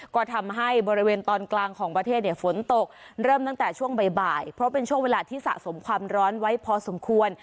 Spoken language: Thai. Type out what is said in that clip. ก็ทำให้บริเวณตอนกลางของประเทศเนี่ยฝนตกเริ่มตั้งแต่ช่วงบ่ายเพราะเป็นช่วงเวลาที่สะสมความร้อนไว้พอสมควร